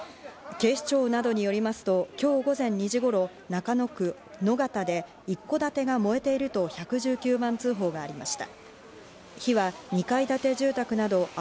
警視庁などによりますと、今日午前２時頃、中野区野方で一戸建てが燃えていると１１９番通報がありました。